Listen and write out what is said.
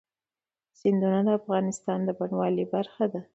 سیندونه د افغانستان د بڼوالۍ برخه ده.